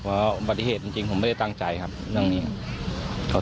ผมไม่ได้ตั้งใจครับเรื่องนี้ครับ